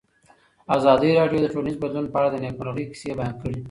ازادي راډیو د ټولنیز بدلون په اړه د نېکمرغۍ کیسې بیان کړې.